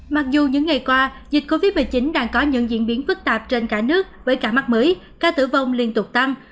mặc dù những ngày qua dịch covid một mươi chín đang có những diễn biến phức tạp trên cả nước với ca mắc mới ca tử vong liên tục tăng